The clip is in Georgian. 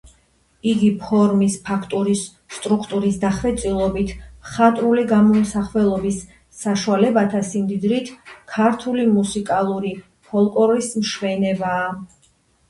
იგი ფორმის, ფაქტურის, სტრუქტურის დახვეწილობით, მხატვრული გამომსახველობის საშუალებათა სიმდიდრით ქართული მუსიკალური ფოლკლორის მშვენებაა.